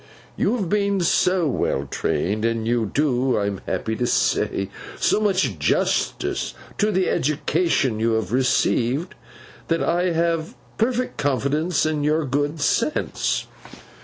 You have been so well trained, and you do, I am happy to say, so much justice to the education you have received, that I have perfect confidence in your good sense.